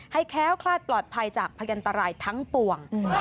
แค้วคลาดปลอดภัยจากพยันตรายทั้งปวง